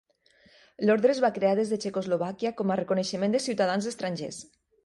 L'ordre es va crear des de Txecoslovàquia com a reconeixement de ciutadans estrangers.